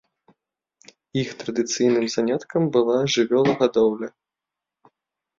Іх традыцыйным заняткам была жывёлагадоўля.